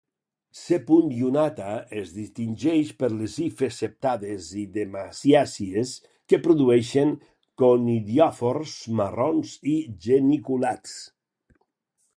C. lunata es distingeix per les hifes septades i demaciàcies que produeixen conidiòfors marrons i geniculats.